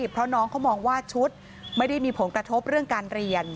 เพราะน้องเขามองว่าชุดไม่ได้มีผลกระทบเรื่องการเรียน